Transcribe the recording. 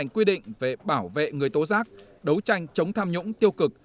quy định về bảo vệ người tố giác đấu tranh chống tham nhũng tiêu cực